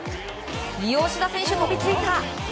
吉田選手、飛びついた！